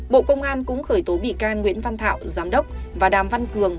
bộ công an cũng khởi tố bị can nguyễn văn thảo giám đốc và đàm văn cường